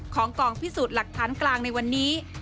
ของกองพิสูจน์หลักฐานกลางในวันนี้